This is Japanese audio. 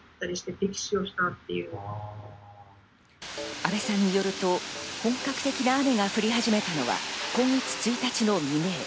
安部さんによると本格的な雨が降り始めたのは今月１日の未明。